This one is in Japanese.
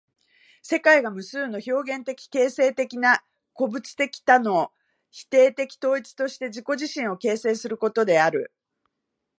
世界が無数の表現的形成的な個物的多の否定的統一として自己自身を形成することである。